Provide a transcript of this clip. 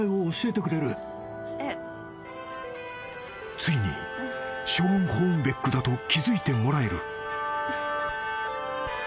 ［ついにショーン・ホーンベックだと気付いてもらえる］